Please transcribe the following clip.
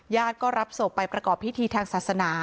ญาติก็รับศพไปประกอบพิธีทางศาสนา